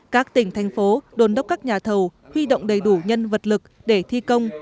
các tỉnh thành phố đồn đốc các nhà thầu huy động đầy đủ nhân vật lực để thi công